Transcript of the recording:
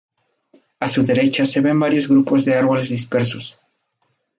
A su derecha se ven varios grupos de árboles dispersos.